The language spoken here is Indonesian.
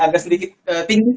agak sedikit tinggi